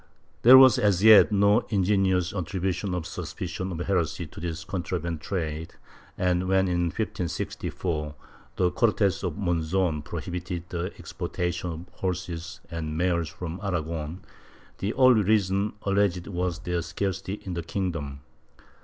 ^ There was as yet no ingenious attribution of sus picion of heresy to this contraband trade and, when in 1564, the Cortes of Monzon prohibited the exportation of horses and mares from Aragon, the only reason alleged was their scarcity in the kingdom.